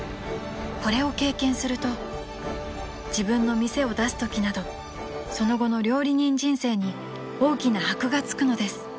［これを経験すると自分の店を出すときなどその後の料理人人生に大きな箔が付くのです］